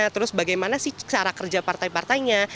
terus bagaimana sih cara kerja partai partainya